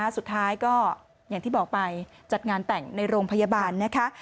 สุดท้ายก็อย่างที่บอกไปจัดงานแต่งในโรงพยาบาลนะคะ